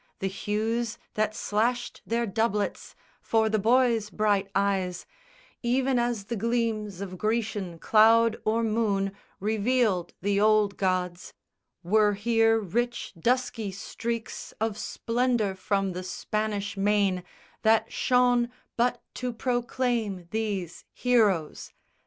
The hues That slashed their doublets, for the boy's bright eyes (Even as the gleams of Grecian cloud or moon Revealed the old gods) were here rich dusky streaks Of splendour from the Spanish Main, that shone But to proclaim these heroes.